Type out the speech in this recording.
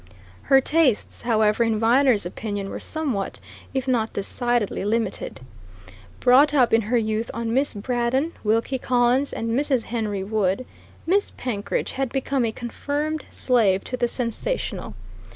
Her tastes, however, in Viner's opinion were somewhat, if not decidedly, limited. Brought up in her youth on Miss Braddon, Wilkie Collins and Mrs. Henry Wood, Miss Penkridge had become a confirmed slave to the sensational.